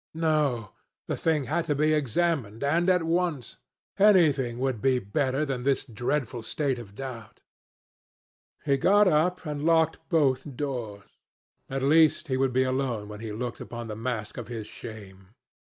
No; the thing had to be examined, and at once. Anything would be better than this dreadful state of doubt. He got up and locked both doors. At least he would be alone when he looked upon the mask of his shame.